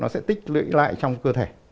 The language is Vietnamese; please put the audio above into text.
và tích lưỡi lại trong cơ thể